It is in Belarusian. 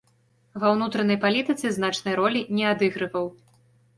Ва ўнутранай палітыцы значнай ролі не адыгрываў.